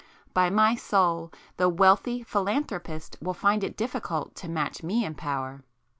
By my soul!—The wealthy 'philanthropist' will find it difficult to match me in power!